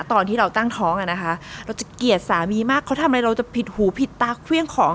ตอนที่เราตั้งท้องอ่ะนะคะเราจะเกลียดสามีมากเขาทำอะไรเราจะผิดหูผิดตาเครื่องของ